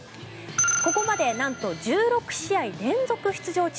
ここまでなんと１６試合連続出場中。